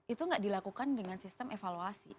itu tidak dilakukan dengan sistem evaluasi